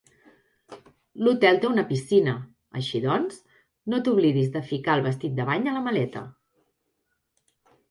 L'hotel té una piscina; així doncs, no t'oblidis de ficar el vestit de bany a la maleta